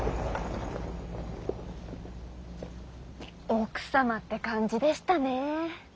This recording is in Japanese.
奥様って感じでしたねー。